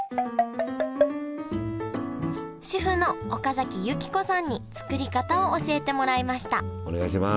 主婦の岡崎由紀子さんに作り方を教えてもらいましたお願いします